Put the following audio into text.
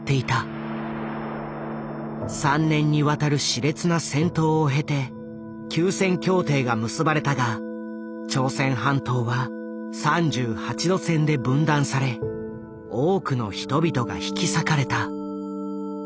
３年にわたるしれつな戦闘を経て休戦協定が結ばれたが朝鮮半島は３８度線で分断され多くの人々が引き裂かれた。